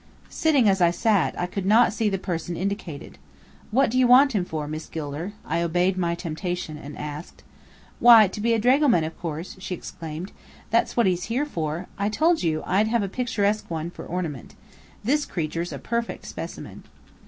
Sitting as I sat, I could not see the person indicated. "What do you want him for, Miss Gilder?" I obeyed temptation, and asked. "Why, to be a dragoman, of course," she explained. "That's what he's for. I told you, I'd have a picturesque one for ornament. This creature's a perfect specimen."